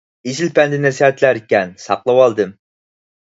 ئېسىل پەند-نەسىھەتلەر ئىكەن، ساقلىۋالدىم.